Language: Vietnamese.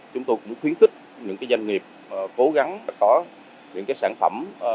chúng tôi cũng muốn khuyến khích những cái doanh nghiệp cố gắng có những cái sản phẩm